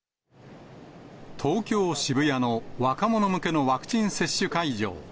東京・渋谷の若者向けのワクチン接種会場。